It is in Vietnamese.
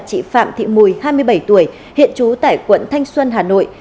chị phạm thị mùi hai mươi bảy tuổi hiện trú tại quận thanh xuân hà nội